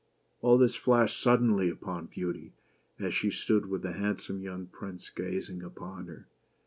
All this flashed suddenly upon Beauty, as she stood with the handsome young prince gazing upon her.